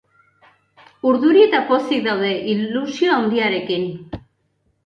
Urduri eta pozik daude, ilusio askorekin.